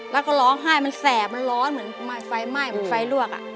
แล้วก็ร้องไห้มันแสบมันร้อนเหมือนไฟไหม้เหมือนไฟลวก